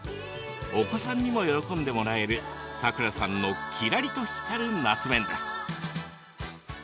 お子さんにも喜んでもらえるさくらさんのキラリと光る夏麺です。